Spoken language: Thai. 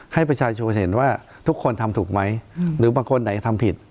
ให้ประชาชนเห็นว่าทุกคนทำถูกไหมหรือบางคนไหนทำผิด